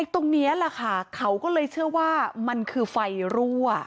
ตรงนี้แหละค่ะเขาก็เลยเชื่อว่ามันคือไฟรั่ว